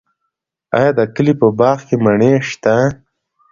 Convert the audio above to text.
آیا د کلي په باغ کې مڼې شته؟